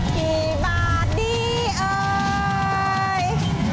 กี่บาทดีเอ่ย